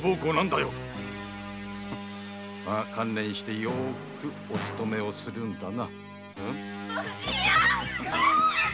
観念してよくお勤めするんだな。